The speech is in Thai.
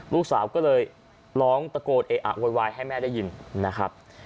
ลูกสาวก็เลยร้องตะโกนเออะโวยวายให้แม่ได้ยินนะครับ